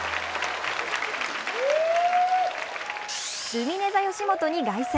ルミネｔｈｅよしもとに凱旋。